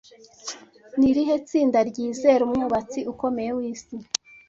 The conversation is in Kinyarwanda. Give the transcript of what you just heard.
Ni irihe tsinda ryizera Umwubatsi Ukomeye w'isi